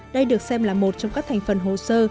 đây được xem là một trong các thành phần hồ sơ